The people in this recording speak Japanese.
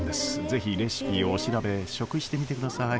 是非レシピをお調べ試食してみてください。